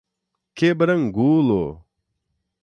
Quebrangulo